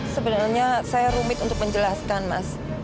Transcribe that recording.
sebenarnya saya rumit untuk menjelaskan mas